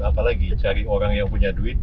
apalagi cari orang yang punya duit